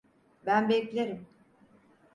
Ben beklerim.